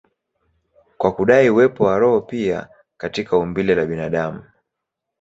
kwa kudai uwepo wa roho pia katika umbile la binadamu.